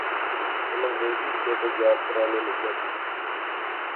ہن انگریزی اچ ٹیبل یاد کرانے نکیاں کی